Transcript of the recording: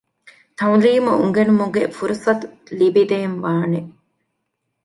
ތަޢުލީމު އުނގެނުމުގެ ފުރުޞަތު ލިބިދޭން ވާނެ